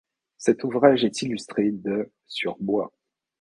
Cet ouvrage est illustré de sur bois.